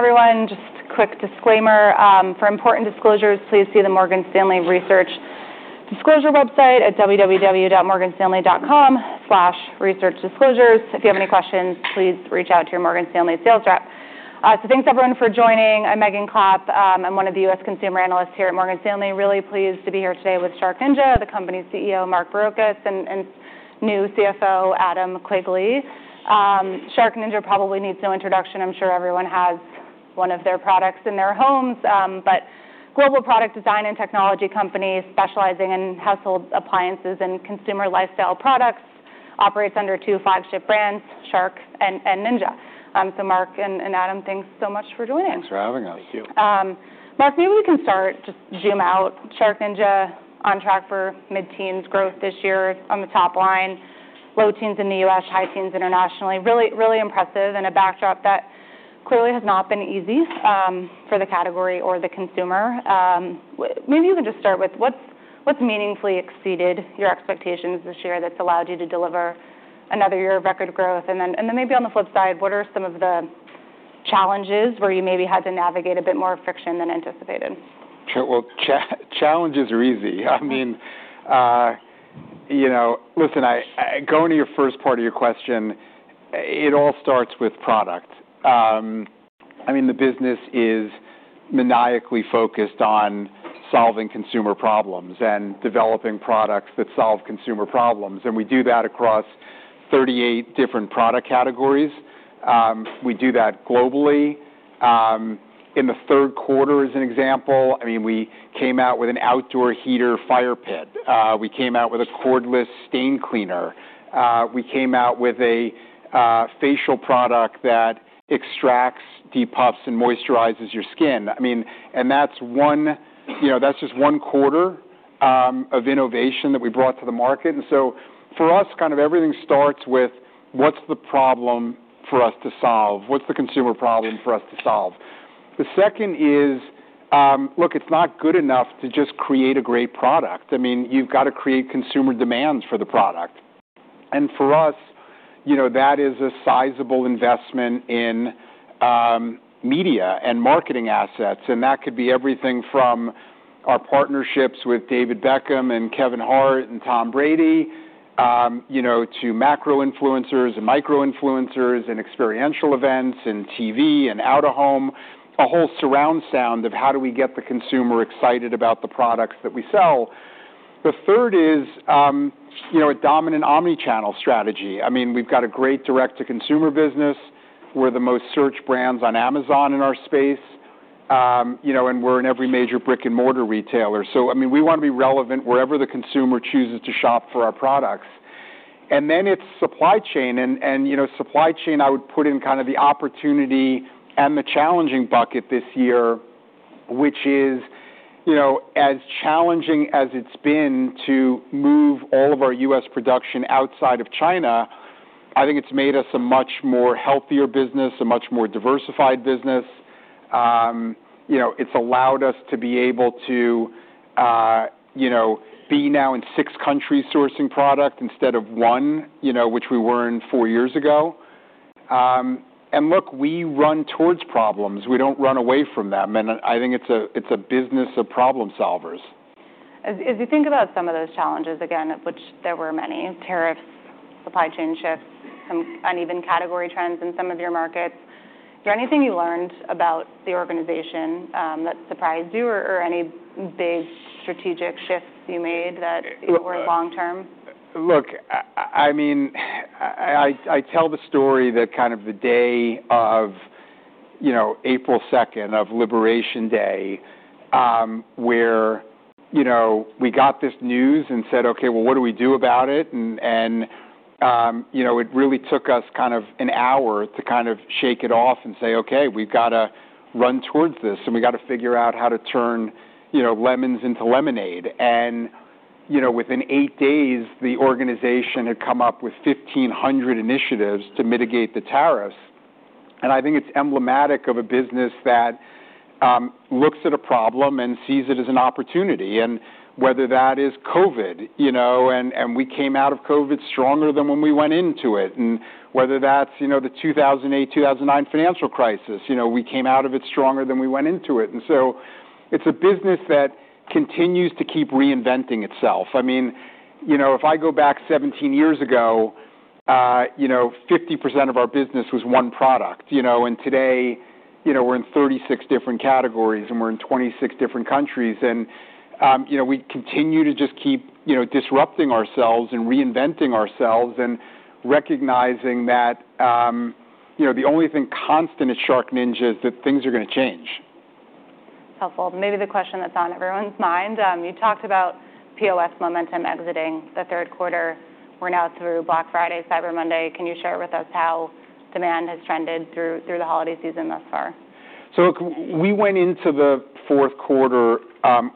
Afternoon, everyone. Just a quick disclaimer. For important disclosures, please see the Morgan Stanley Research Disclosure website at www.morganstanley.com/researchdisclosures. If you have any questions, please reach out to your Morgan Stanley sales rep, so thanks, everyone, for joining. I'm Megan Clapp. I'm one of the U.S. consumer analysts here at Morgan Stanley. Really pleased to be here today with SharkNinja, the company's CEO, Mark Barrocas, and new CFO, Adam Quigley. SharkNinja probably needs no introduction. I'm sure everyone has one of their products in their homes, but global product design and technology company specializing in household appliances and consumer lifestyle products operates under two flagship brands, Shark and Ninja, so Mark and Adam, thanks so much for joining. Thanks for having us. Thank you. Mark, maybe we can start, just zoom out. SharkNinja on track for mid-teens growth this year on the top line, low teens in the U.S., high teens internationally. Really, really impressive. And a backdrop that clearly has not been easy, for the category or the consumer. Well, maybe you can just start with what's meaningfully exceeded your expectations this year that's allowed you to deliver another year of record growth? And then maybe on the flip side, what are some of the challenges where you maybe had to navigate a bit more friction than anticipated? Sure. Well, challenges are easy. I mean, you know, listen, I go into your first part of your question. It all starts with product. I mean, the business is maniacally focused on solving consumer problems and developing products that solve consumer problems. And we do that across 38 different product categories. We do that globally. In the third quarter, as an example, I mean, we came out with an outdoor heater fire pit. We came out with a cordless stain cleaner. We came out with a facial product that extracts, de-pufts, and moisturizes your skin. I mean, and that's one, you know, that's just one quarter of innovation that we brought to the market. And so for us, kind of everything starts with what's the problem for us to solve? What's the consumer problem for us to solve? The second is, look, it's not good enough to just create a great product. I mean, you've got to create consumer demands for the product. And for us, you know, that is a sizable investment in media and marketing assets. And that could be everything from our partnerships with David Beckham and Kevin Hart and Tom Brady, you know, to macro influencers and micro influencers and experiential events and TV and out-of-home, a whole surround sound of how do we get the consumer excited about the products that we sell. The third is, you know, a dominant omnichannel strategy. I mean, we've got a great direct-to-consumer business. We're the most searched brands on Amazon in our space. You know, and we're in every major brick-and-mortar retailer. So, I mean, we want to be relevant wherever the consumer chooses to shop for our products. And then it's supply chain. You know, supply chain, I would put in kind of the opportunity and the challenging bucket this year, which is, you know, as challenging as it's been to move all of our U.S. production outside of China. I think it's made us a much more healthier business, a much more diversified business. You know, it's allowed us to be able to, you know, be now in six countries sourcing product instead of one, you know, which we were in four years ago. Look, we run towards problems. We don't run away from them. I think it's a business of problem solvers. As you think about some of those challenges, again, of which there were many (tariffs, supply chain shifts, some uneven category trends in some of your markets), is there anything you learned about the organization that surprised you or any big strategic shifts you made that were long-term? Look, I mean, I tell the story that kind of the day of, you know, April 2nd, of Liberation Day, where, you know, we got this news and said, "Okay, well, what do we do about it?" And, you know, it really took us kind of an hour to kind of shake it off and say, "Okay, we've got to run towards this. And we got to figure out how to turn, you know, lemons into lemonade." And, you know, within eight days, the organization had come up with 1,500 initiatives to mitigate the tariffs. And I think it's emblematic of a business that looks at a problem and sees it as an opportunity. And whether that is COVID, you know, and we came out of COVID stronger than when we went into it. And whether that's, you know, the 2008, 2009 financial crisis, you know, we came out of it stronger than we went into it. And so it's a business that continues to keep reinventing itself. I mean, you know, if I go back 17 years ago, you know, 50% of our business was one product, you know. And today, you know, we're in 36 different categories and we're in 26 different countries. And, you know, we continue to just keep, you know, disrupting ourselves and reinventing ourselves and recognizing that, you know, the only thing constant at SharkNinja is that things are going to change. Helpful. Maybe the question that's on everyone's mind. You talked about POS momentum exiting the third quarter. We're now through Black Friday, Cyber Monday. Can you share with us how demand has trended through the holiday season thus far? So, look, we went into the fourth quarter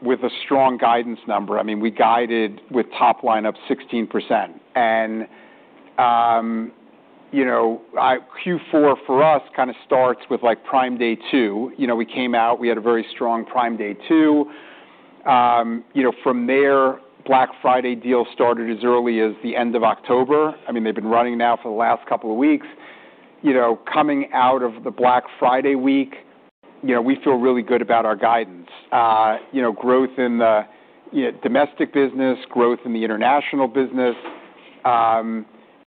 with a strong guidance number. I mean, we guided with top line up 16%. And, you know, our Q4 for us kind of starts with, like, Prime Day 2. You know, we came out, we had a very strong Prime Day 2. You know, from there, Black Friday deal started as early as the end of October. I mean, they've been running now for the last couple of weeks. You know, coming out of the Black Friday week, you know, we feel really good about our guidance. You know, growth in the, you know, domestic business, growth in the international business.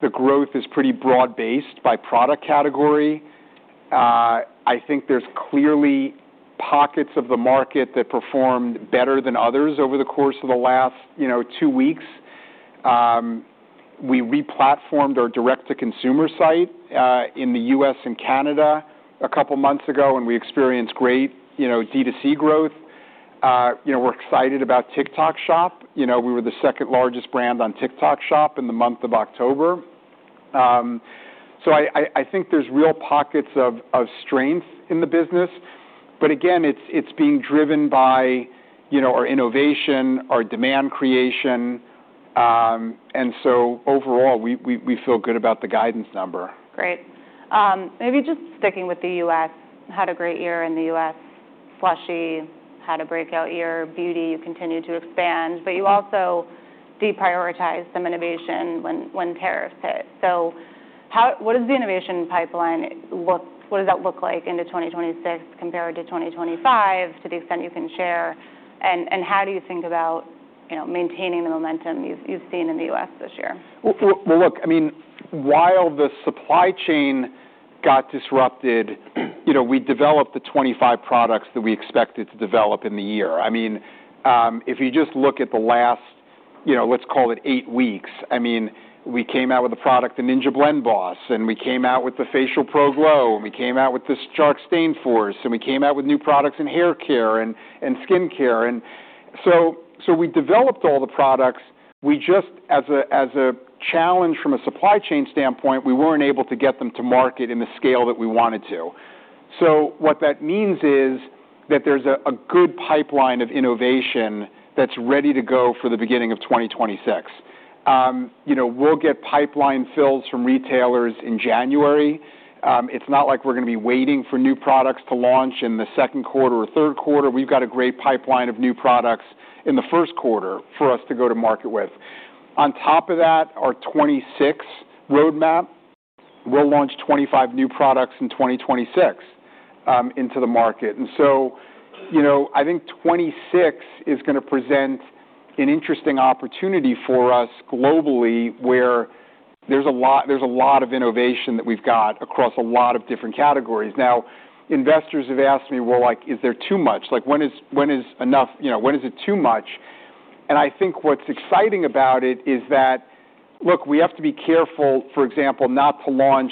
The growth is pretty broad-based by product category. I think there's clearly pockets of the market that performed better than others over the course of the last, you know, two weeks. We replatformed our direct-to-consumer site in the U.S. and Canada a couple of months ago, and we experienced great, you know, D2C growth. You know, we're excited about TikTok Shop. You know, we were the second largest brand on TikTok Shop in the month of October. So I think there's real pockets of strength in the business. But again, it's being driven by, you know, our innovation, our demand creation. And so overall, we feel good about the guidance number. Great. Maybe just sticking with the U.S., had a great year in the U.S., Slushi had a breakout year, beauty, you continue to expand, but you also deprioritized some innovation when tariffs hit. So how, what does the innovation pipeline look? What does that look like into 2026 compared to 2025, to the extent you can share? And how do you think about, you know, maintaining the momentum you've seen in the U.S. this year? Well, well, well, look, I mean, while the supply chain got disrupted, you know, we developed the 25 products that we expected to develop in the year. I mean, if you just look at the last, you know, let's call it eight weeks, I mean, we came out with the product The Ninja Blend Boss, and we came out with the FacialPro Glow, and we came out with this Shark StainForce, and we came out with new products in hair care and skincare. So we developed all the products. We just, as a challenge from a supply chain standpoint, we weren't able to get them to market in the scale that we wanted to. So what that means is that there's a good pipeline of innovation that's ready to go for the beginning of 2026. You know, we'll get pipeline fills from retailers in January. It's not like we're going to be waiting for new products to launch in the second quarter or third quarter. We've got a great pipeline of new products in the first quarter for us to go to market with. On top of that, our 2026 roadmap, we'll launch 25 new products in 2026 into the market. And so, you know, I think 2026 is going to present an interesting opportunity for us globally where there's a lot, there's a lot of innovation that we've got across a lot of different categories. Now, investors have asked me, well, like, is there too much? Like, when is, when is enough? You know, when is it too much? I think what's exciting about it is that, look, we have to be careful, for example, not to launch,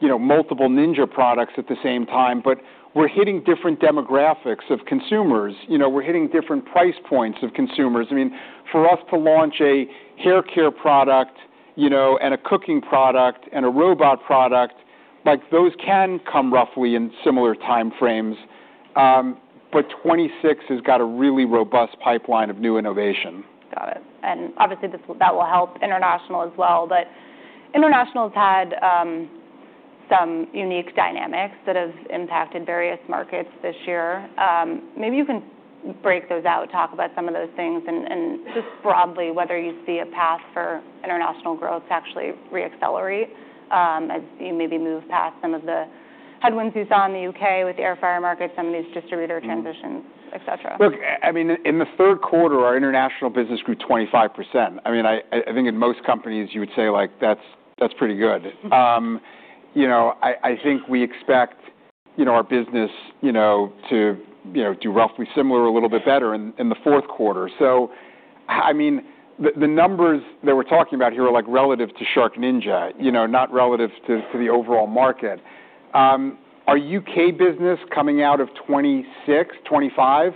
you know, multiple Ninja products at the same time, but we're hitting different demographics of consumers. You know, we're hitting different price points of consumers. I mean, for us to launch a hair care product, you know, and a cooking product and a robot product, like, those can come roughly in similar timeframes. But 2026 has got a really robust pipeline of new innovation. Got it. And obviously, this will, that will help international as well. But international has had some unique dynamics that have impacted various markets this year. Maybe you can break those out, talk about some of those things and just broadly whether you see a path for international growth to actually re-accelerate, as you maybe move past some of the headwinds you saw in the U.K. with the air fryer market, some of these distributor transitions, etc. Look, I mean, in the third quarter, our international business grew 25%. I mean, I think in most companies, you would say, like, that's pretty good. You know, I think we expect, you know, our business, you know, to do roughly similar or a little bit better in the fourth quarter. So, I mean, the numbers that we're talking about here are, like, relative to SharkNinja, you know, not relative to the overall market. Our U.K. business coming out of 2026, 2025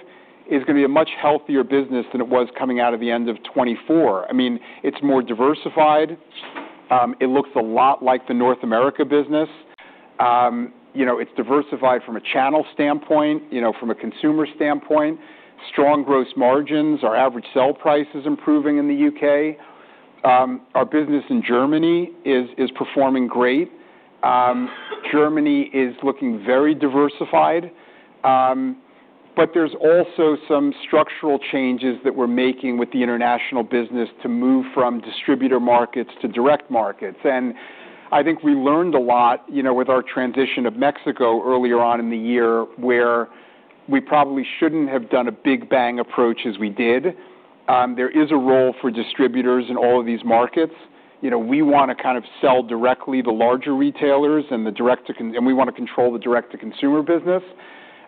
is going to be a much healthier business than it was coming out of the end of 2024. I mean, it's more diversified. It looks a lot like the North America business. You know, it's diversified from a channel standpoint, you know, from a consumer standpoint. Strong gross margins. Our average sell price is improving in the U.K. Our business in Germany is performing great. Germany is looking very diversified, but there's also some structural changes that we're making with the international business to move from distributor markets to direct markets. And I think we learned a lot, you know, with our transition of Mexico earlier on in the year where we probably shouldn't have done a big bang approach as we did. There is a role for distributors in all of these markets. You know, we want to kind of sell directly to larger retailers and the direct-to-consumer and we want to control the direct-to-consumer business.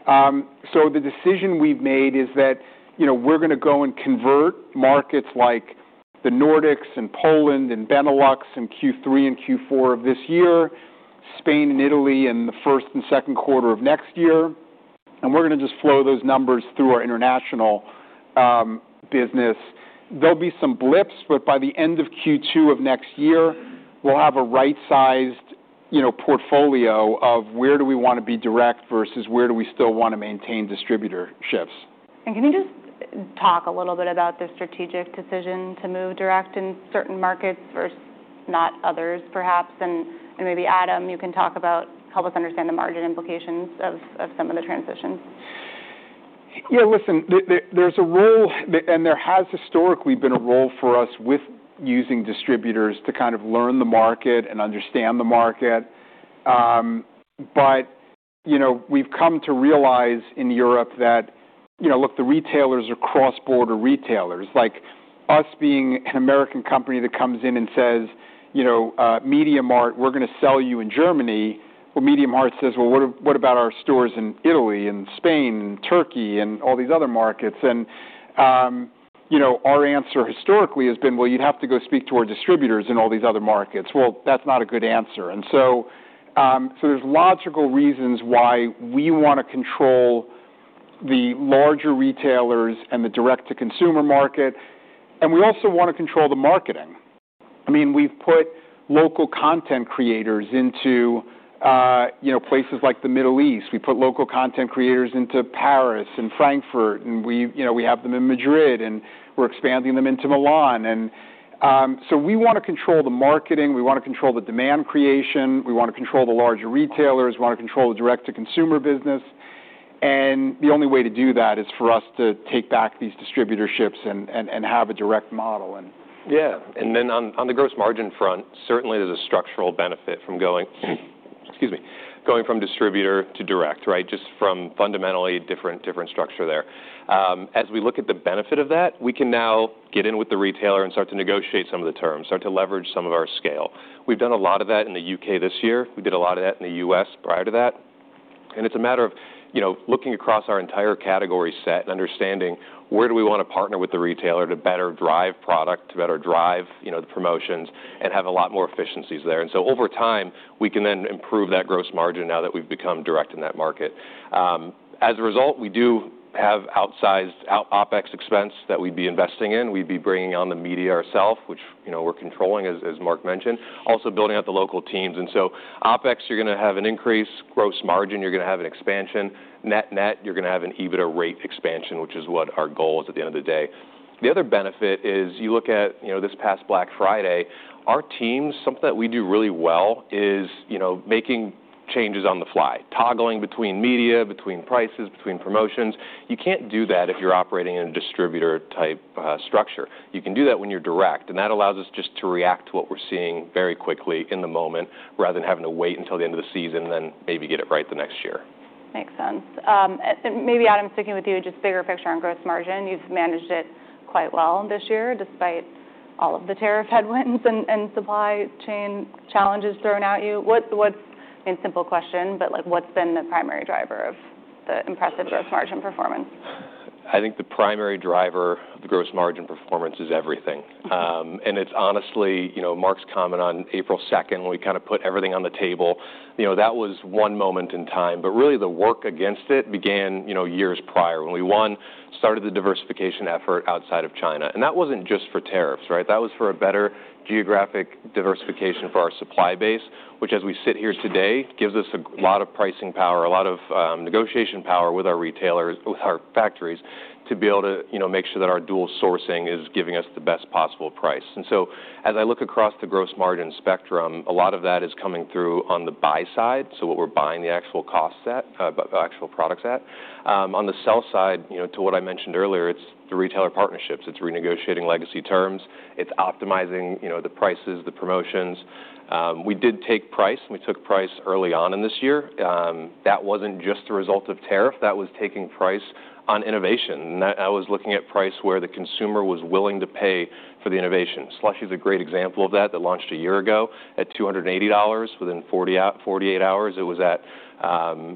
So the decision we've made is that, you know, we're going to go and convert markets like the Nordics and Poland and Benelux and Q3 and Q4 of this year, Spain and Italy in the first and second quarter of next year. We're going to just flow those numbers through our international business. There'll be some blips, but by the end of Q2 of next year, we'll have a right-sized, you know, portfolio of where do we want to be direct versus where do we still want to maintain distributor shifts. Can you just talk a little bit about the strategic decision to move direct in certain markets versus not others, perhaps? Maybe Adam, you can talk about, help us understand the margin implications of some of the transitions. Yeah, listen, there's a role, and there has historically been a role for us with using distributors to kind of learn the market and understand the market, but you know, we've come to realize in Europe that, you know, look, the retailers are cross-border retailers. Like us being an American company that comes in and says, you know, MediaMarkt, we're going to sell you in Germany. Well, MediaMarkt says, well, what about our stores in Italy and Spain and Turkey and all these other markets? And, you know, our answer historically has been, well, you'd have to go speak to our distributors in all these other markets. Well, that's not a good answer, so there's logical reasons why we want to control the larger retailers and the direct-to-consumer market. And we also want to control the marketing. I mean, we've put local content creators into, you know, places like the Middle East. We put local content creators into Paris and Frankfurt, and we, you know, we have them in Madrid, and we're expanding them into Milan. And so we want to control the marketing. We want to control the demand creation. We want to control the larger retailers. We want to control the direct-to-consumer business. And the only way to do that is for us to take back these distributorships and have a direct model. Yeah. And then on the gross margin front, certainly there's a structural benefit from going, excuse me, going from distributor to direct, right? Just from fundamentally different structure there. As we look at the benefit of that, we can now get in with the retailer and start to negotiate some of the terms, start to leverage some of our scale. We've done a lot of that in the U.K. this year. We did a lot of that in the U.S. prior to that. And it's a matter of, you know, looking across our entire category set and understanding where do we want to partner with the retailer to better drive product, to better drive, you know, the promotions and have a lot more efficiencies there. And so over time, we can then improve that gross margin now that we've become direct in that market. As a result, we do have outsized OPEX expense that we'd be investing in. We'd be bringing on the media ourselves, which, you know, we're controlling, as Mark mentioned, also building out the local teams. And so OPEX, you're going to have an increased gross margin. You're going to have an expansion. Net-net, you're going to have an EBITDA rate expansion, which is what our goal is at the end of the day. The other benefit is you look at, you know, this past Black Friday, our teams, something that we do really well is, you know, making changes on the fly, toggling between media, between prices, between promotions. You can't do that if you're operating in a distributor-type structure. You can do that when you're direct. That allows us just to react to what we're seeing very quickly in the moment rather than having to wait until the end of the season and then maybe get it right the next year. Makes sense, and maybe, Adam, sticking with you, just bigger picture on gross margin. You've managed it quite well this year despite all of the tariff headwinds and supply chain challenges thrown at you. What’s, I mean, simple question, but like, what’s been the primary driver of the impressive gross margin performance? I think the primary driver of the gross margin performance is everything, and it's honestly, you know, Mark's comment on April 2nd when we kind of put everything on the table, you know, that was one moment in time. But really the work against it began, you know, years prior when we started the diversification effort outside of China. And that wasn't just for tariffs, right? That was for a better geographic diversification for our supply base, which as we sit here today gives us a lot of pricing power, a lot of negotiation power with our retailers, with our factories to be able to, you know, make sure that our dual sourcing is giving us the best possible price. And so as I look across the gross margin spectrum, a lot of that is coming through on the buy side. So what we're buying the actual cost set, actual products at. On the sell side, you know, to what I mentioned earlier, it's the retailer partnerships. It's renegotiating legacy terms. It's optimizing, you know, the prices, the promotions. We did take price, and we took price early on in this year. That wasn't just the result of tariff. That was taking price on innovation. And I was looking at price where the consumer was willing to pay for the innovation. Slushi is a great example of that. That launched a year ago at $280 within 40 hours-48 hours. It was at,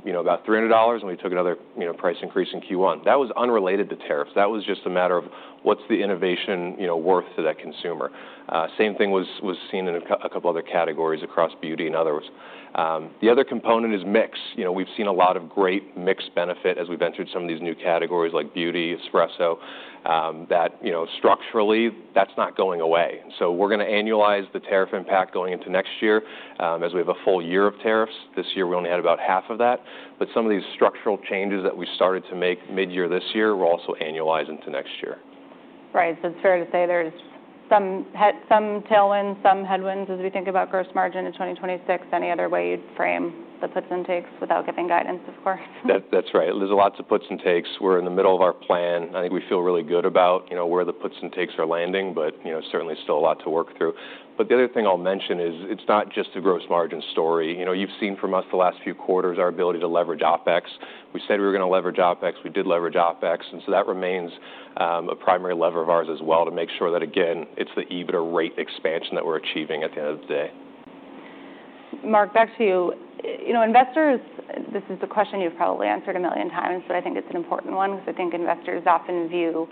you know, about $300 when we took another, you know, price increase in Q1. That was unrelated to tariffs. That was just a matter of what's the innovation, you know, worth to that consumer. Same thing was seen in a couple other categories across beauty and others. The other component is mix. You know, we've seen a lot of great mixed benefit as we've entered some of these new categories like beauty, espresso, that, you know, structurally that's not going away. And so we're going to annualize the tariff impact going into next year. As we have a full year of tariffs this year, we only had about half of that. But some of these structural changes that we started to make mid-year this year will also annualize into next year. Right. So it's fair to say there's some tailwinds, some headwinds as we think about gross margin in 2026. Any other way you'd frame the puts and takes without giving guidance, of course? That's right. There's lots of puts and takes. We're in the middle of our plan. I think we feel really good about, you know, where the puts and takes are landing, but, you know, certainly still a lot to work through. But the other thing I'll mention is it's not just the gross margin story. You know, you've seen from us the last few quarters our ability to leverage OPEX. We said we were going to leverage OPEX. We did leverage OPEX. And so that remains, a primary lever of ours as well to make sure that, again, it's the EBITDA rate expansion that we're achieving at the end of the day. Mark, back to you. You know, investors, this is a question you've probably answered a million times, but I think it's an important one because I think investors often view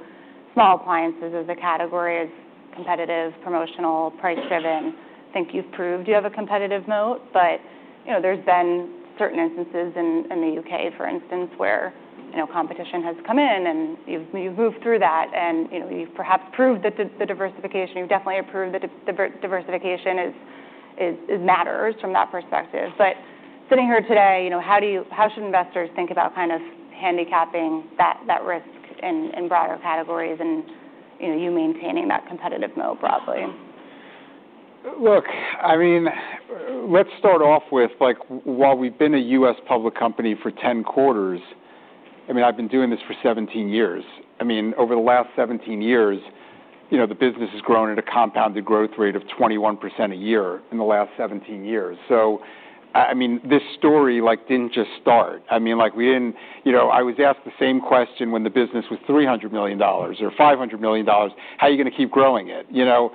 small appliances as a category as competitive, promotional, price-driven. I think you've proved you have a competitive moat. But, you know, there's been certain instances in the U.K., for instance, where, you know, competition has come in and you've moved through that and, you know, you've perhaps proved that the diversification, you've definitely proved that the diversification matters from that perspective. But sitting here today, you know, how do you, how should investors think about kind of handicapping that risk in broader categories and, you know, you maintaining that competitive moat broadly? Look, I mean, let's start off with, like, while we've been a U.S. public company for 10 quarters, I mean, I've been doing this for 17 years. I mean, over the last 17 years, you know, the business has grown at a compounded growth rate of 21% a year in the last 17 years. So, I mean, this story, like, didn't just start. I mean, like, we didn't, you know, I was asked the same question when the business was $300 million or $500 million. How are you going to keep growing it? You know,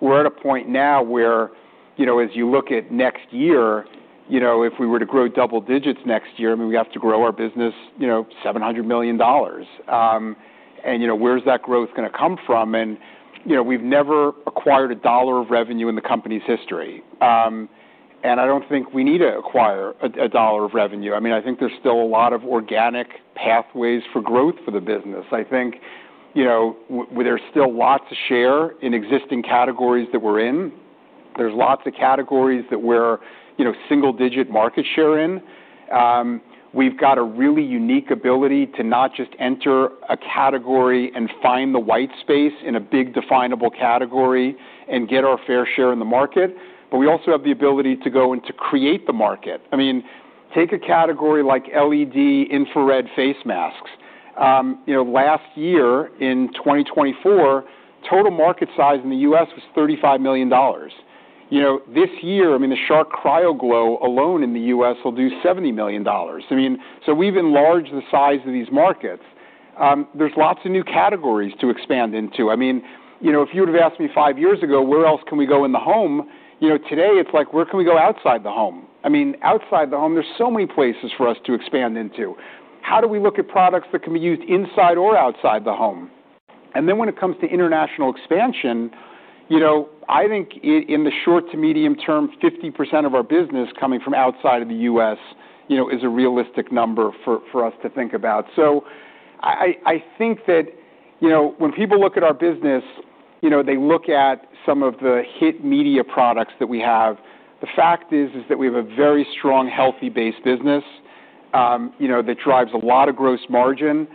we're at a point now where, you know, as you look at next year, you know, if we were to grow double digits next year, I mean, we have to grow our business, you know, $700 million, and you know, where's that growth going to come from? And, you know, we've never acquired a dollar of revenue in the company's history. And I don't think we need to acquire a dollar of revenue. I mean, I think there's still a lot of organic pathways for growth for the business. I think, you know, there's still lots to share in existing categories that we're in. There's lots of categories that we're, you know, single-digit market share in. We've got a really unique ability to not just enter a category and find the white space in a big definable category and get our fair share in the market, but we also have the ability to go and to create the market. I mean, take a category like LED infrared face masks. You know, last year in 2024, total market size in the U.S. was $35 million. You know, this year, I mean, the Shark CryoGlow alone in the U.S. will do $70 million. I mean, so we've enlarged the size of these markets. There's lots of new categories to expand into. I mean, you know, if you would have asked me five years ago, where else can we go in the home? You know, today it's like, where can we go outside the home? I mean, outside the home, there's so many places for us to expand into. How do we look at products that can be used inside or outside the home? And then when it comes to international expansion, you know, I think in the short to medium term, 50% of our business coming from outside of the U.S., you know, is a realistic number for us to think about. So I think that, you know, when people look at our business, you know, they look at some of the hit media products that we have. The fact is that we have a very strong, healthy-based business, you know, that drives a lot of gross margin.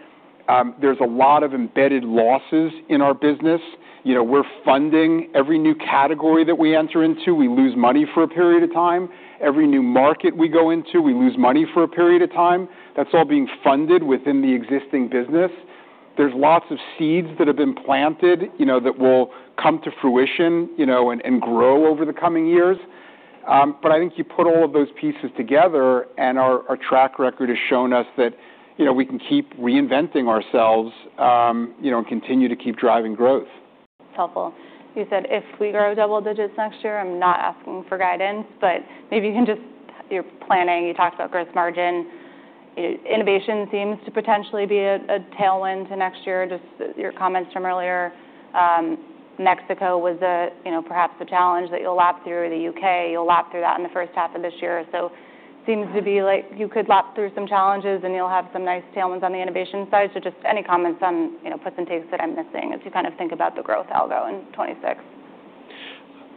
There's a lot of embedded losses in our business. You know, we're funding every new category that we enter into. We lose money for a period of time. Every new market we go into, we lose money for a period of time. That's all being funded within the existing business. There's lots of seeds that have been planted, you know, that will come to fruition, you know, and grow over the coming years. But I think you put all of those pieces together and our track record has shown us that, you know, we can keep reinventing ourselves, you know, and continue to keep driving growth. It's helpful. You said if we grow double digits next year. I'm not asking for guidance, but maybe you can just, you're planning. You talked about gross margin. Innovation seems to potentially be a tailwind to next year. Just your comments from earlier. Mexico was a, you know, perhaps a challenge that you'll lap through. The U.K., you'll lap through that in the first half of this year. So seems to be like you could lap through some challenges and you'll have some nice tailwinds on the innovation side. So just any comments on, you know, puts and takes that I'm missing as you kind of think about the growth algo in 2026?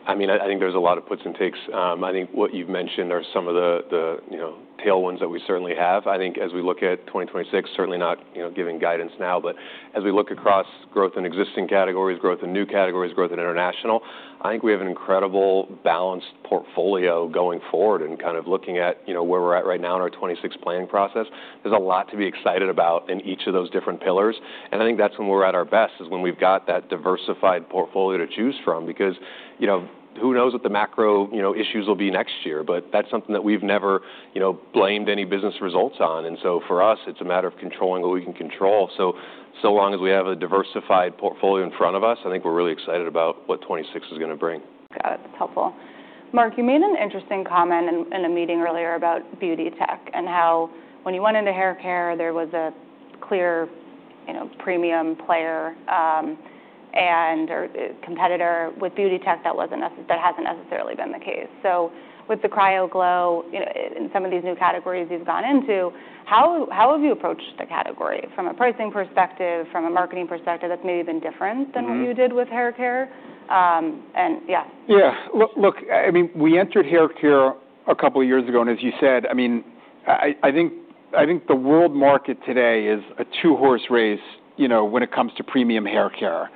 I mean, I think there's a lot of puts and takes. I think what you've mentioned are some of the, you know, tailwinds that we certainly have. I think as we look at 2026, certainly not, you know, giving guidance now, but as we look across growth in existing categories, growth in new categories, growth in international, I think we have an incredible balanced portfolio going forward and kind of looking at, you know, where we're at right now in our 2026 planning process. There's a lot to be excited about in each of those different pillars. And I think that's when we're at our best is when we've got that diversified portfolio to choose from because, you know, who knows what the macro, you know, issues will be next year, but that's something that we've never, you know, blamed any business results on. And so for us, it's a matter of controlling what we can control. So long as we have a diversified portfolio in front of us, I think we're really excited about what 2026 is going to bring. Got it. That's helpful. Mark, you made an interesting comment in a meeting earlier about beauty tech and how when you went into haircare, there was a clear, you know, premium player, and or competitor with beauty tech that wasn't necessary, that hasn't necessarily been the case. So with the CryoGlow, you know, in some of these new categories you've gone into, how have you approached the category from a pricing perspective, from a marketing perspective that's maybe been different than what you did with haircare? And yeah. Yeah. Look, look, I mean, we entered haircare a couple of years ago. And as you said, I mean, I think, I think the world market today is a two-horse race, you know, when it comes to premium haircare.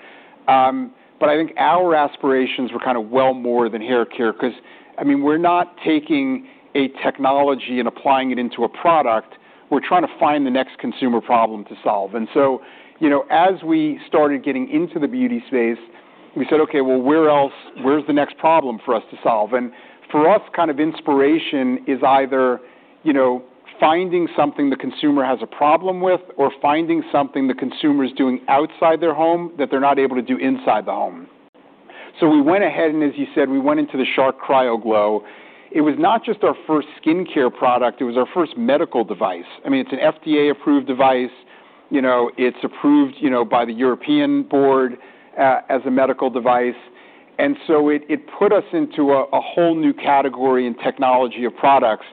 But I think our aspirations were kind of, well, more than haircare because, I mean, we're not taking a technology and applying it into a product. We're trying to find the next consumer problem to solve. And so, you know, as we started getting into the beauty space, we said, okay, well, where else, where's the next problem for us to solve? And for us, kind of inspiration is either, you know, finding something the consumer has a problem with or finding something the consumer is doing outside their home that they're not able to do inside the home. So we went ahead and, as you said, we went into the Shark CryoGlow. It was not just our first skincare product. It was our first medical device. I mean, it's an FDA-approved device. You know, it's approved, you know, by the European board, as a medical device. And so it put us into a whole new category and technology of products.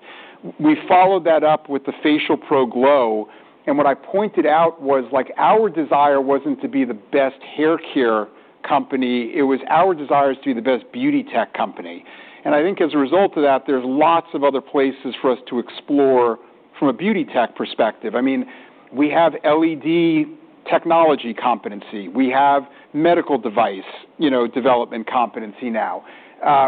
We followed that up with the FacialProGlow. And what I pointed out was like our desire wasn't to be the best haircare company. It was our desire is to be the best beauty tech company. And I think as a result of that, there's lots of other places for us to explore from a beauty tech perspective. I mean, we have LED technology competency. We have medical device, you know, development competency now.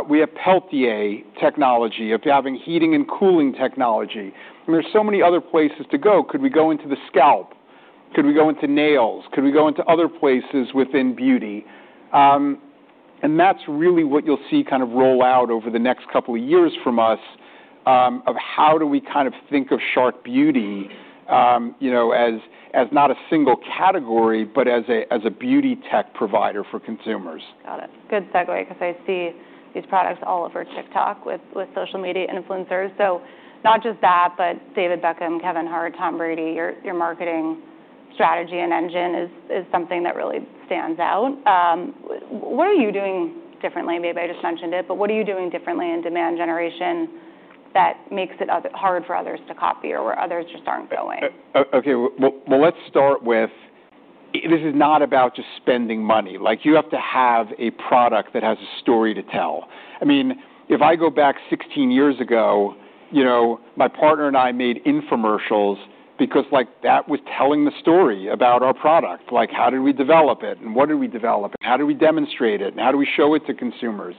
We have Peltier technology of having heating and cooling technology. There's so many other places to go. Could we go into the scalp? Could we go into nails? Could we go into other places within beauty? That's really what you'll see kind of roll out over the next couple of years from us, of how do we kind of think of Shark Beauty, you know, as not a single category, but as a beauty tech provider for consumers. Got it. Good segue because I see these products all over TikTok with social media influencers. So not just that, but David Beckham, Kevin Hart, Tom Brady, your marketing strategy and engine is something that really stands out. What are you doing differently? Maybe I just mentioned it, but what are you doing differently in demand generation that makes it hard for others to copy or where others just aren't going? Okay. Well, let's start with this is not about just spending money. Like you have to have a product that has a story to tell. I mean, if I go back 16 years ago, you know, my partner and I made infomercials because like that was telling the story about our product. Like how did we develop it and what did we develop and how did we demonstrate it and how do we show it to consumers?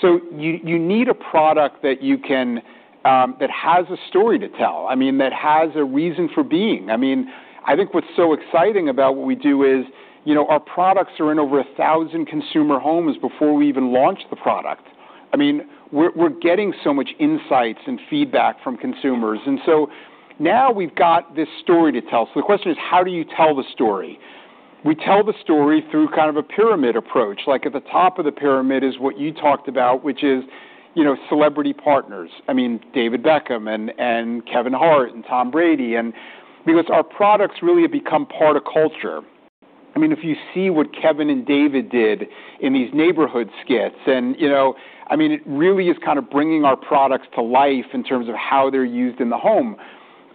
So you need a product that you can, that has a story to tell. I mean, that has a reason for being. I mean, I think what's so exciting about what we do is, you know, our products are in over a thousand consumer homes before we even launch the product. I mean, we're getting so much insights and feedback from consumers. And so now we've got this story to tell. So the question is, how do you tell the story? We tell the story through kind of a pyramid approach. Like at the top of the pyramid is what you talked about, which is, you know, celebrity partners. I mean, David Beckham and Kevin Hart and Tom Brady. And because our products really have become part of culture. I mean, if you see what Kevin and David did in these neighborhood skits and, you know, I mean, it really is kind of bringing our products to life in terms of how they're used in the home.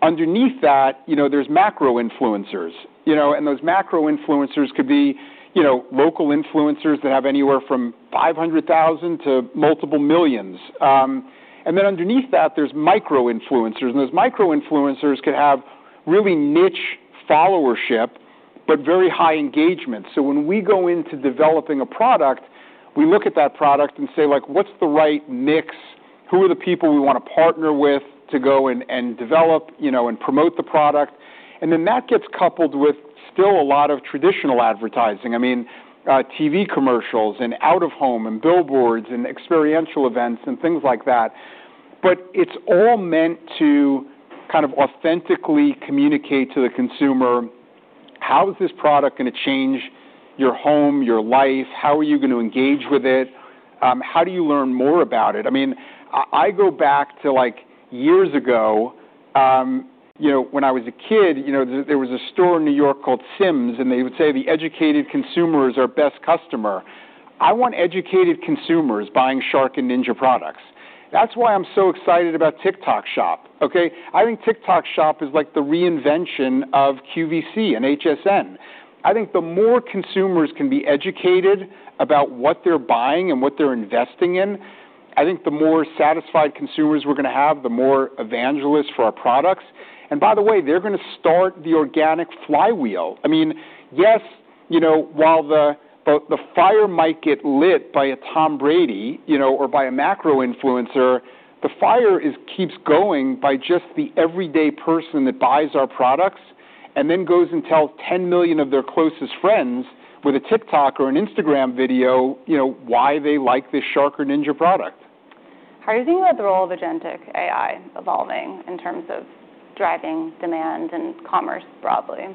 Underneath that, you know, there's macro influencers, you know, and those macro influencers could be, you know, local influencers that have anywhere from 500,000 to multiple millions, and then underneath that, there's micro influencers. Those micro influencers can have really niche followership, but very high engagement. When we go into developing a product, we look at that product and say, like, what's the right mix? Who are the people we want to partner with to go and develop, you know, and promote the product? Then that gets coupled with still a lot of traditional advertising. I mean, TV commercials and out of home and billboards and experiential events and things like that. It's all meant to kind of authentically communicate to the consumer, how is this product going to change your home, your life? How are you going to engage with it? How do you learn more about it? I mean, I go back to like years ago, you know, when I was a kid, you know, there was a store in New York called Syms and they would say the educated consumers are best customer. I want educated consumers buying Shark and Ninja products. That's why I'm so excited about TikTok Shop. Okay. I think TikTok Shop is like the reinvention of QVC and HSN. I think the more consumers can be educated about what they're buying and what they're investing in. I think the more satisfied consumers we're going to have, the more evangelists for our products. And by the way, they're going to start the organic flywheel. I mean, yes, you know, while the fire might get lit by a Tom Brady, you know, or by a macro influencer, the fire keeps going by just the everyday person that buys our products and then goes and tells 10 million of their closest friends with a TikTok or an Instagram video, you know, why they like this Shark or Ninja product. How are you thinking about the role of agentic AI evolving in terms of driving demand and commerce broadly?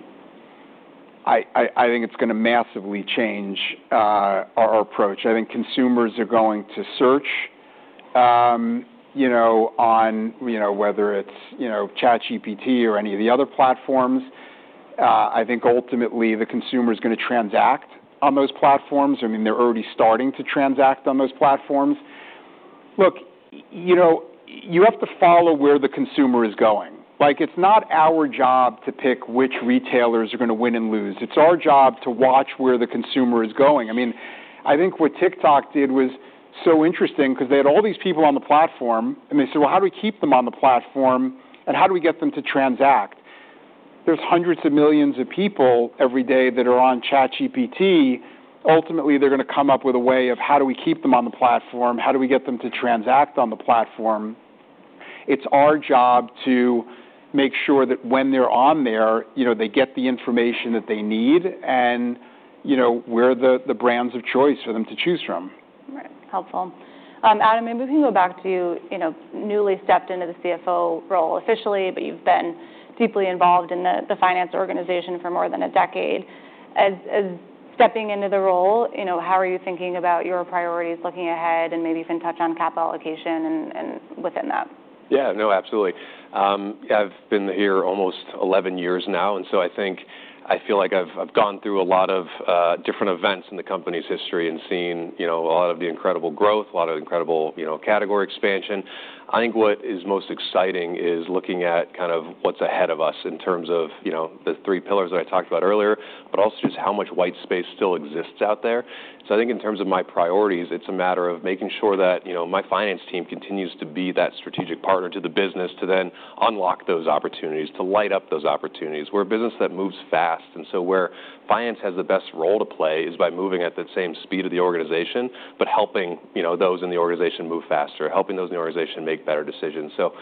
I think it's going to massively change our approach. I think consumers are going to search, you know, on, you know, whether it's, you know, ChatGPT or any of the other platforms. I think ultimately the consumer is going to transact on those platforms. I mean, they're already starting to transact on those platforms. Look, you know, you have to follow where the consumer is going. Like it's not our job to pick which retailers are going to win and lose. It's our job to watch where the consumer is going. I mean, I think what TikTok did was so interesting because they had all these people on the platform and they said, well, how do we keep them on the platform and how do we get them to transact? There's hundreds of millions of people every day that are on ChatGPT. Ultimately, they're going to come up with a way of how do we keep them on the platform? How do we get them to transact on the platform? It's our job to make sure that when they're on there, you know, they get the information that they need and, you know, where the brands of choice for them to choose from. Right. Helpful. Adam, maybe we can go back to, you know, newly stepped into the CFO role officially, but you've been deeply involved in the finance organization for more than a decade. As stepping into the role, you know, how are you thinking about your priorities looking ahead and maybe even touch on capital allocation and within that? Yeah. No, absolutely. I've been here almost 11 years now. And so I think, I feel like I've, I've gone through a lot of, different events in the company's history and seen, you know, a lot of the incredible growth, a lot of incredible, you know, category expansion. I think what is most exciting is looking at kind of what's ahead of us in terms of, you know, the three pillars that I talked about earlier, but also just how much white space still exists out there. So I think in terms of my priorities, it's a matter of making sure that, you know, my finance team continues to be that strategic partner to the business to then unlock those opportunities, to light up those opportunities. We're a business that moves fast. And so, where finance has the best role to play is by moving at the same speed of the organization, but helping, you know, those in the organization move faster, helping those in the organization make better decisions. So,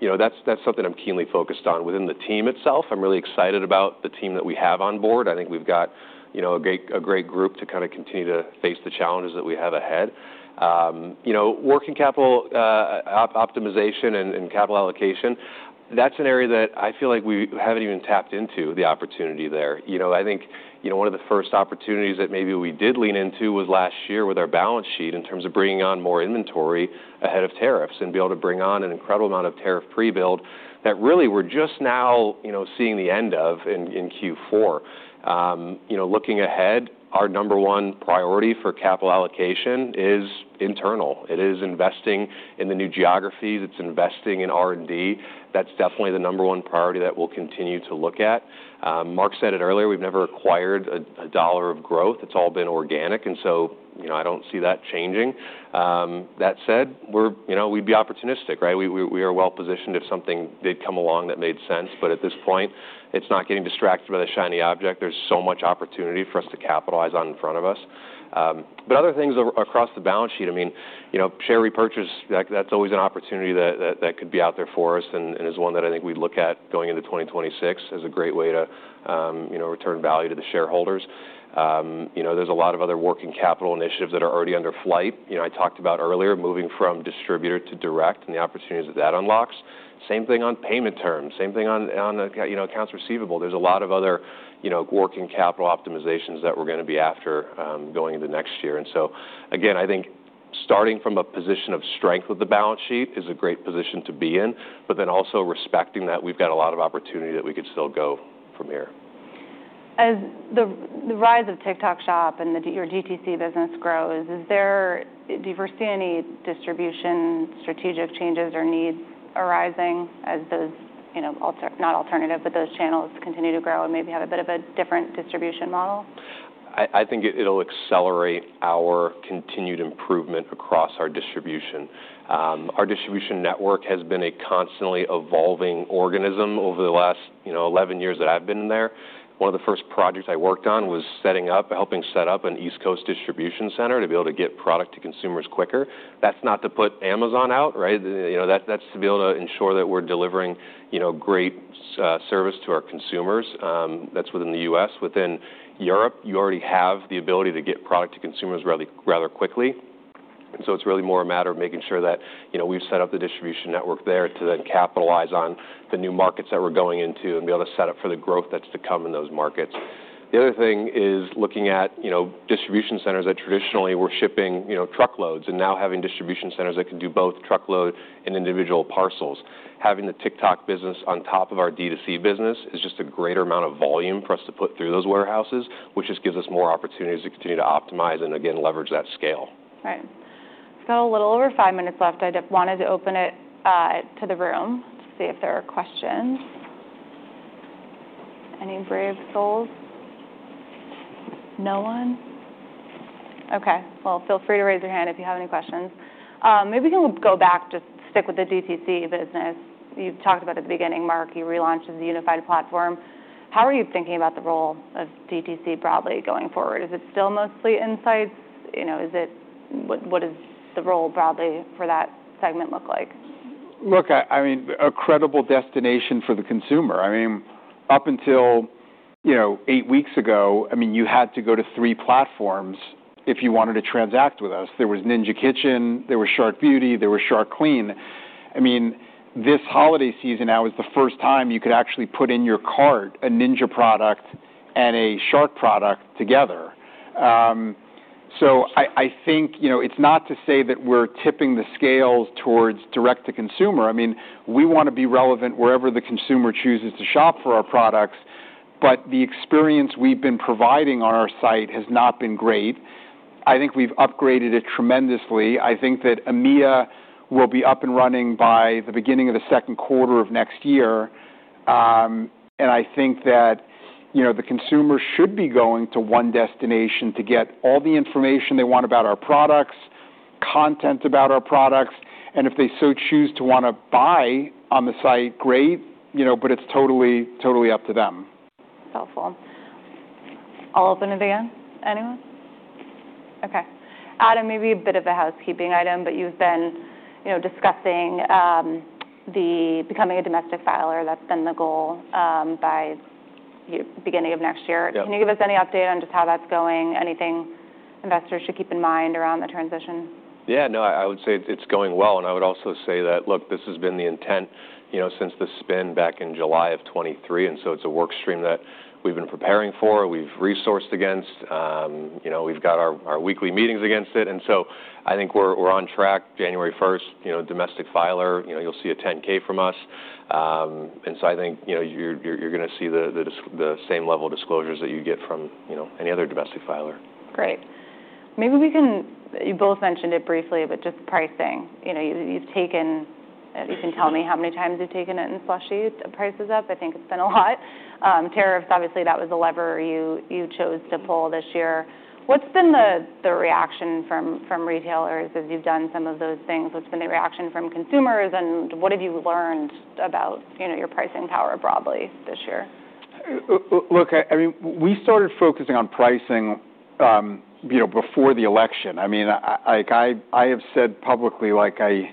you know, that's something I'm keenly focused on within the team itself. I'm really excited about the team that we have on board. I think we've got, you know, a great group to kind of continue to face the challenges that we have ahead. You know, working capital optimization and capital allocation, that's an area that I feel like we haven't even tapped into the opportunity there. You know, I think, you know, one of the first opportunities that maybe we did lean into was last year with our balance sheet in terms of bringing on more inventory ahead of tariffs and be able to bring on an incredible amount of tariff pre-build that really we're just now, you know, seeing the end of in Q4. You know, looking ahead, our number one priority for capital allocation is internal. It is investing in the new geographies. It's investing in R&D. That's definitely the number one priority that we'll continue to look at. Mark said it earlier, we've never acquired a dollar of growth. It's all been organic. And so, you know, I don't see that changing. That said, we're, you know, we'd be opportunistic, right? We are well positioned if something did come along that made sense. But at this point, it's not getting distracted by the shiny object. There's so much opportunity for us to capitalize on in front of us. But other things across the balance sheet, I mean, you know, share repurchase, that's always an opportunity that could be out there for us and is one that I think we'd look at going into 2026 as a great way to, you know, return value to the shareholders. You know, there's a lot of other working capital initiatives that are already underway. You know, I talked about earlier moving from distributor to direct and the opportunities that that unlocks. Same thing on payment terms. Same thing on, on, you know, accounts receivable. There's a lot of other, you know, working capital optimizations that we're going to be after, going into next year. And so again, I think starting from a position of strength with the balance sheet is a great position to be in, but then also respecting that we've got a lot of opportunity that we could still go from here. As the rise of TikTok Shop and your DTC business grows, do you foresee any distribution strategic changes or needs arising as those, you know, not alternative, but those channels continue to grow and maybe have a bit of a different distribution model? I think it'll accelerate our continued improvement across our distribution. Our distribution network has been a constantly evolving organism over the last, you know, 11 years that I've been in there. One of the first projects I worked on was setting up, helping set up an East Coast distribution center to be able to get product to consumers quicker. That's not to put Amazon out, right? You know, that, that's to be able to ensure that we're delivering, you know, great, service to our consumers. That's within the US, within Europe, you already have the ability to get product to consumers rather quickly. It's really more a matter of making sure that, you know, we've set up the distribution network there to then capitalize on the new markets that we're going into and be able to set up for the growth that's to come in those markets. The other thing is looking at, you know, distribution centers that traditionally were shipping, you know, truckloads and now having distribution centers that can do both truckload and individual parcels. Having the TikTok business on top of our DTC business is just a greater amount of volume for us to put through those warehouses, which just gives us more opportunities to continue to optimize and again, leverage that scale. Right. We've got a little over five minutes left. I wanted to open it to the room to see if there are questions. Any brave souls? No one? Okay. Well, feel free to raise your hand if you have any questions. Maybe we can go back, just stick with the DTC business. You've talked about at the beginning, Mark, you relaunched as a unified platform. How are you thinking about the role of DTC broadly going forward? Is it still mostly insights? You know, is it, what, what is the role broadly for that segment look like? Look, I mean, a credible destination for the consumer. I mean, up until, you know, eight weeks ago, I mean, you had to go to three platforms if you wanted to transact with us. There was Ninja Kitchen, there was Shark Beauty, there was Shark Clean. I mean, this holiday season now is the first time you could actually put in your cart a Ninja product and a Shark product together. So I think, you know, it's not to say that we're tipping the scales towards direct-to-consumer. I mean, we want to be relevant wherever the consumer chooses to shop for our products, but the experience we've been providing on our site has not been great. I think we've upgraded it tremendously. I think that Amiya will be up and running by the beginning of the second quarter of next year and I think that, you know, the consumer should be going to one destination to get all the information they want about our products, content about our products. And if they so choose to want to buy on the site, great, you know, but it's totally, totally up to them. Helpful. I'll open it again. Anyone? Okay. Adam, maybe a bit of a housekeeping item, but you've been, you know, discussing the becoming a domestic filer. That's been the goal, by the beginning of next year. Can you give us any update on just how that's going? Anything investors should keep in mind around the transition? Yeah. No, I would say it's going well. And I would also say that, look, this has been the intent, you know, since the spin back in July of 2023. And so it's a work stream that we've been preparing for. We've resourced against, you know, we've got our weekly meetings against it. And so I think we're on track January 1st, you know, domestic filer, you know, you'll see a 10-K from us. And so I think, you know, you're going to see the same level of disclosures that you get from, you know, any other domestic filer. Great. Maybe we can, you both mentioned it briefly, but just pricing. You know, you've taken, you can tell me how many times you've taken it and pushed prices up. I think it's been a lot. Tariffs, obviously that was a lever you chose to pull this year. What's been the reaction from retailers as you've done some of those things? What's been the reaction from consumers and what have you learned about, you know, your pricing power broadly this year? Look, I mean, we started focusing on pricing, you know, before the election. I mean, I have said publicly, like I,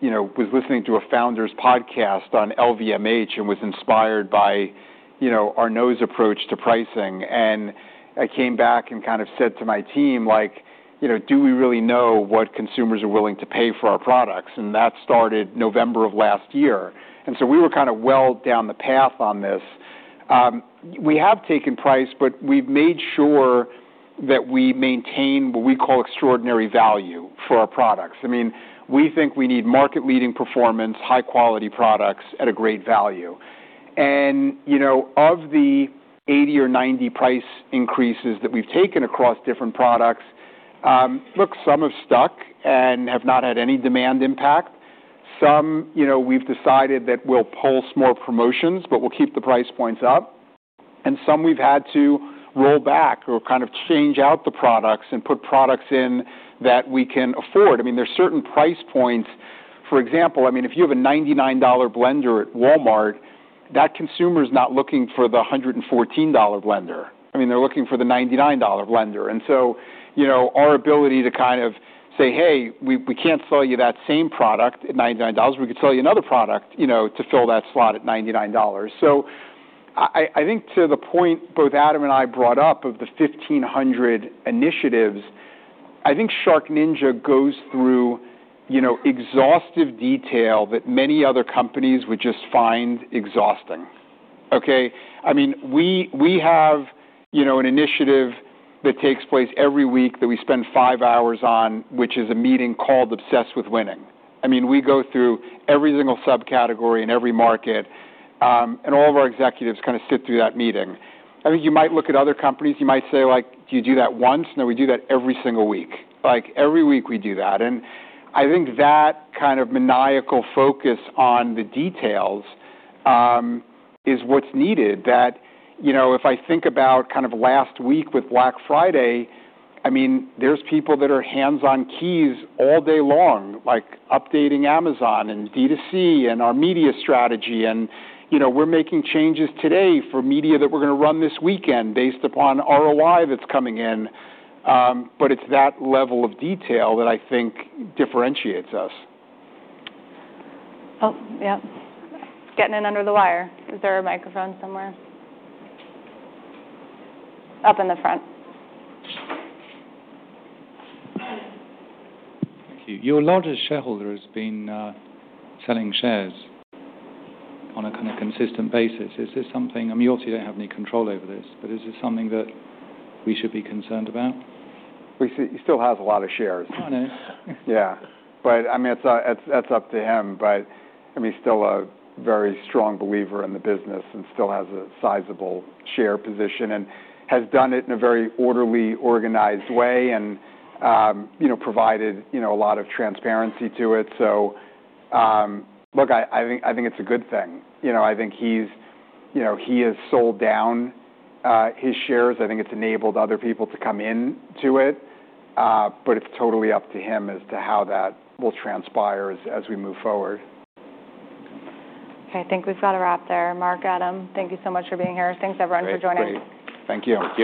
you know, was listening to a founder's podcast on LVMH and was inspired by, you know, Arnault's approach to pricing. And I came back and kind of said to my team, like, you know, do we really know what consumers are willing to pay for our products? And that started November of last year. And so we were kind of well down the path on this. We have taken price, but we've made sure that we maintain what we call extraordinary value for our products. I mean, we think we need market-leading performance, high-quality products at a great value. And, you know, of the 80 or 90 price increases that we've taken across different products, look, some have stuck and have not had any demand impact. Some, you know, we've decided that we'll pulse more promotions, but we'll keep the price points up. And some we've had to roll back or kind of change out the products and put products in that we can afford. I mean, there's certain price points. For example, I mean, if you have a $99 blender at Walmart, that consumer is not looking for the $114 blender. I mean, they're looking for the $99 blender. And so, you know, our ability to kind of say, hey, we can't sell you that same product at $99. We could sell you another product, you know, to fill that slot at $99. So I think to the point both Adam and I brought up of the 1,500 initiatives, I think SharkNinja goes through, you know, exhaustive detail that many other companies would just find exhausting. Okay? I mean, we have, you know, an initiative that takes place every week that we spend five hours on, which is a meeting called Obsessed with Winning. I mean, we go through every single subcategory in every market, and all of our executives kind of sit through that meeting. I think you might look at other companies. You might say like, do you do that once? No, we do that every single week. Like every week we do that. I think that kind of maniacal focus on the details is what's needed. That, you know, if I think about kind of last week with Black Friday, I mean, there's people that are hands-on keys all day long, like updating Amazon and DTC and our media strategy. And, you know, we're making changes today for media that we're going to run this weekend based upon ROI that's coming in. But it's that level of detail that I think differentiates us. Oh, yeah. Getting in under the wire. Is there a microphone somewhere? Up in the front. Thank you. Your largest shareholder has been selling shares on a kind of consistent basis. Is this something, I mean, you obviously don't have any control over this, but is this something that we should be concerned about? He still has a lot of shares. I know. Yeah. But I mean, it's, that's up to him, but I mean, he's still a very strong believer in the business and still has a sizable share position and has done it in a very orderly, organized way and, you know, provided, you know, a lot of transparency to it. So, look, I think it's a good thing. You know, I think he's, you know, he has sold down his shares. I think it's enabled other people to come into it. But it's totally up to him as to how that will transpire as we move forward. Okay. I think we've got to wrap there. Mark, Adam, thank you so much for being here. Thanks everyone for joining. Thank you.